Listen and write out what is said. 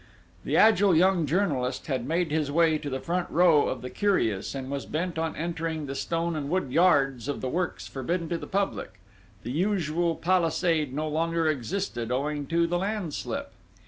The agile young journalist had made his way to the front row of the curious, and was bent on entering the stone and wood yards of the works forbidden to the public; the usual palisade no longer existed owing to the landslip.